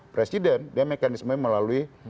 presiden dia mekanismenya melalui